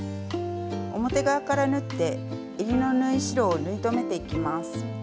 表側から縫ってえりの縫い代を縫い留めていきます。